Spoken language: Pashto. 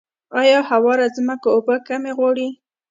آیا هواره ځمکه اوبه کمې غواړي؟